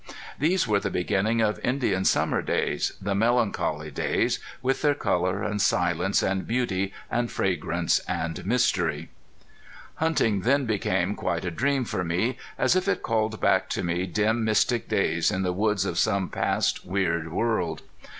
These were the beginning of Indian summer days, the melancholy days, with their color and silence and beauty and fragrance and mystery. Hunting then became quite a dream for me, as if it called back to me dim mystic days in the woods of some past weird world.